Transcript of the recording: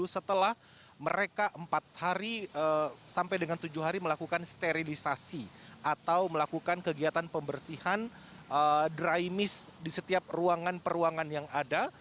setelah mereka empat hari sampai dengan tujuh hari melakukan sterilisasi atau melakukan kegiatan pembersihan dry miss di setiap ruangan peruangan yang ada